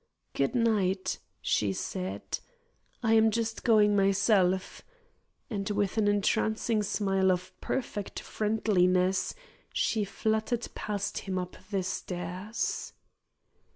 "Good night," she said; "I am just going myself," and with an entrancing smile of perfect friendliness, she fluttered past him up the stairs.